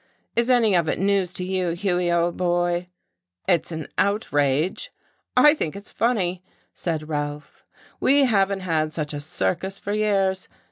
"Is any of it news to you, Hughie, old boy?" "It's an outrage." "I think it's funny," said Ralph. "We haven't had such a circus for years.